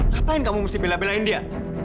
ngapain kamu mesti bela belain dia